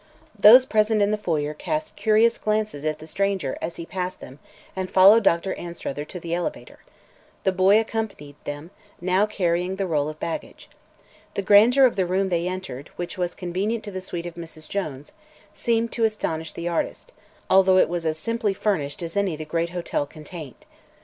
Those present in the foyer cast curious glances at the stranger as he passed them and followed Dr. Anstruther to the elevator. The boy accompanied them, now carrying the roll of baggage. The grandeur of the room they entered, which was convenient to the suite of Mrs. Jones, seemed to astonish the artist, although it was as simply furnished as any the great hotel contained.